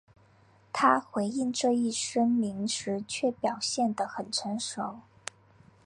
他回应这一声明时却表现得很成熟。